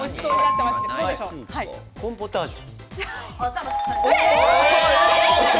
コーンポタージュ。